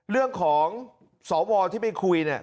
เรื่องของสวที่ไปคุยเนี่ย